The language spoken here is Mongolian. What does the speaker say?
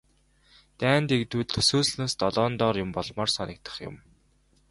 Дайн дэгдвэл төсөөлснөөс долоон доор юм болмоор санагдах юм.